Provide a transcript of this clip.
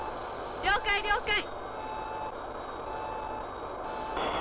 了解了解。